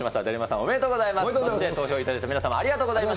おめでとうございます。